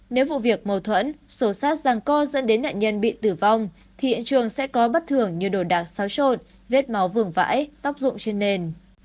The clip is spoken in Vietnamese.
nếu vụ việc mâu thuẫn sổ sát rằng co dẫn đến nạn nhân bị tử vong thì hiện trường sẽ có bất thường như đồ đạc xáo trộn vết máu vườn vãi tóc dụng trên nền